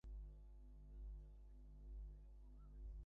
যতদিন সেখানে হাত পড়িত না, ততদিন তাঁহারা দুর্ভেদ্য থাকিতেন।